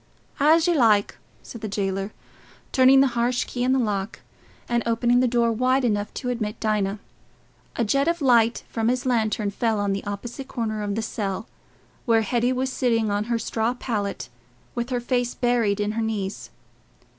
"As you like," said the jailer, turning the harsh key in the lock and opening the door wide enough to admit Dinah. A jet of light from his lantern fell on the opposite corner of the cell, where Hetty was sitting on her straw pallet with her face buried in her knees.